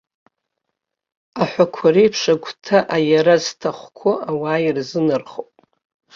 Аҳәақәа реиԥш агәҭа аиара зҭахқәоу ауаа ирзынархоуп.